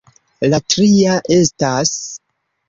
La tria estas...